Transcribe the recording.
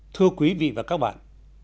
thưa quý vị và các bạn